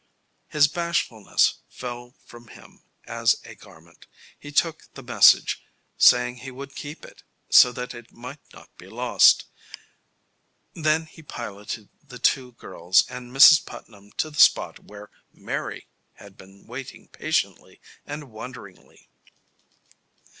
His bashfulness fell from him as a garment. He took the message, saying he would keep it, so that it might not be lost. Then he piloted the two girls and Mrs. Putnam to the spot where Mary had been waiting patiently and wonderingly.